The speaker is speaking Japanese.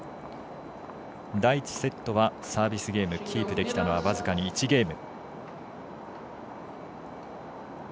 第１セットはサービスゲームキープできたのは僅かに１ゲーム。